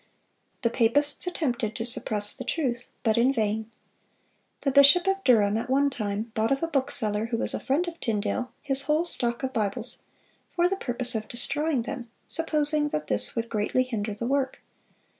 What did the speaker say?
The papists attempted to suppress the truth, but in vain. The bishop of Durham at one time bought of a bookseller who was a friend of Tyndale, his whole stock of Bibles, for the purpose of destroying them, supposing that this would greatly hinder the work.